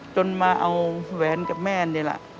จนมาเอาแหวนกับแม่นี่แหละ